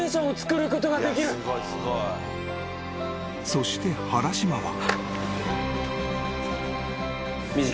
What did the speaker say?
［そして原島は］